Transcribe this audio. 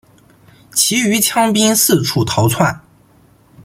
其余羌兵四处逃窜。